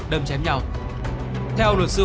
đâm chém nhau theo luật sư